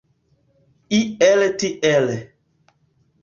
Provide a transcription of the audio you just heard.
Iele tiele.